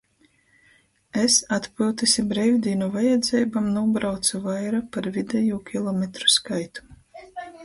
Es atpyutys i breivdīnu vajadzeibom nūbraucu vaira par videjū kilometru skaitu.